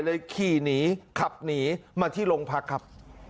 ขี่หนีขับหนีมาที่โรงพักครับ